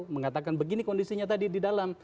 mengatakan begini kondisinya tadi di dalam